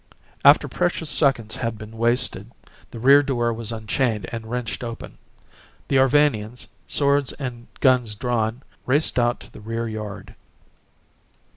After precious seconds had been wasted, the rear door was unchained and wrenched open. The Arvanians, swords and guns drawn, raced out to the rear yard.